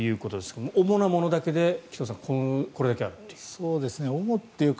紀藤さん、主なものだけでこれだけあるという。